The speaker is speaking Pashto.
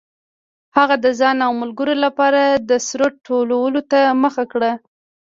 هغه د ځان او ملګرو لپاره د ثروت ټولولو ته مخه کړه.